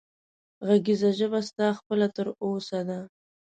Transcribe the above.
غږېږه ژبه ستا خپله تر اوسه ده